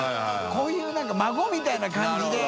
こういう何か孫みたいな感じで。